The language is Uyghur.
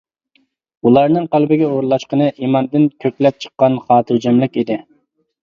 ئۇلارنىڭ قەلبىگە ئورۇنلاشقىنى ئىماندىن كۆكلەپ چىققان خاتىرجەملىك ئىدى.